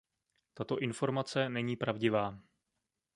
Tato informace není pravdivá.